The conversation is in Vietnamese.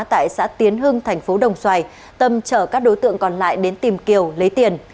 tại xã tiến hưng thành phố đồng xoài tâm chở các đối tượng còn lại đến tìm kiều lấy tiền